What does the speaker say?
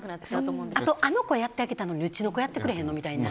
あと、あの子やってあげたのにうちの子やってくれへんのみたいな。